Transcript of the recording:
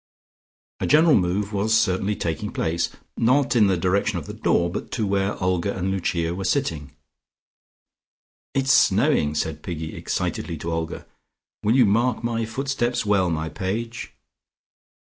A general move was certainly taking place, not in the direction of the door, but to where Olga and Lucia were sitting. "It's snowing," said Piggy excitedly to Olga. "Will you mark my footsteps well, my page?"